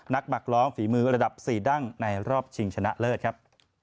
หมักล้อมฝีมือระดับ๔ดั้งในรอบชิงชนะเลิศครับ